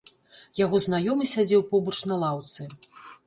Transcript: Яго знаёмы сядзеў побач на лаўцы.